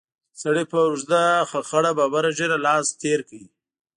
سړي په اوږده خړه ببره ږېره لاس تېر کړ.